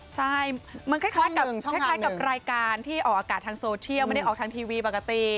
ใช่มันคล้ายกับคล้ายกับรายการที่ออกอากาศทางโซเทียลไม่ได้ออกทางทีวีปกติ